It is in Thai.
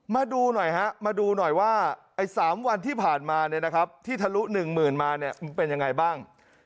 มาดูหน่อยว่าสามวันที่ผ่านมาที่ทะลุ๑๐๐๐๐มาเป็นยังไงบ้าง